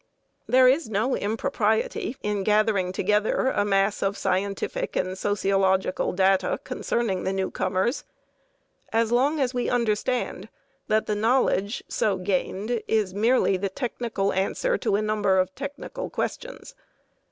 There is no impropriety in gathering together a mass of scientific and sociological data concerning the newcomers, as long as we understand that the knowledge so gained is merely the technical answer to a number of technical questions.